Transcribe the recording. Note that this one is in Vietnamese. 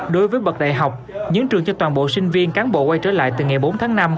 đối với bậc đại học những trường cho toàn bộ sinh viên cán bộ quay trở lại từ ngày bốn tháng năm